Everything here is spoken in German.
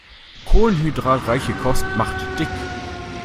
Kohlenhydratreiche Kost macht dick.